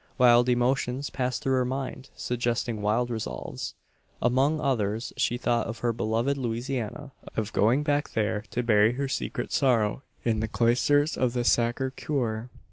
Wild emotions passed through her mind, suggesting wild resolves. Among others she thought of her beloved Louisiana of going back there to bury her secret sorrow in the cloisters of the Sacre Coeur.